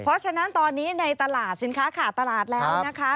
เพราะฉะนั้นตอนนี้ในตลาดสินค้าขาดตลาดแล้วนะคะ